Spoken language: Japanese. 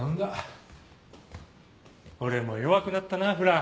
俺も弱くなったなフラン。